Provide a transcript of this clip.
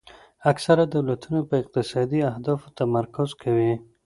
اکثره دولتونه په اقتصادي اهدافو تمرکز کوي